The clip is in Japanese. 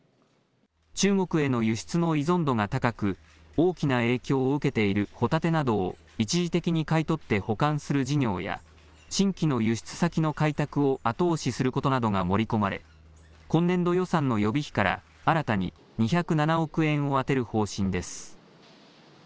中国への輸出の依存度が高く大きな影響を受けているホタテなどを一時的に買い取って保管する事業や新規の輸出先の開拓を後押しすることなどが盛り込まれ今年度予算の予備費から新たに２０７億円を充てる方針です。